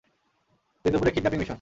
দিন দুপুরে kidnapping mission.